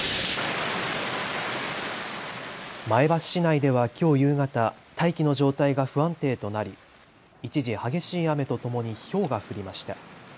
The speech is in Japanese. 前橋市内ではきょう夕方、大気の状態が不安定となり一時、激しい雨とともにひょうが降りました。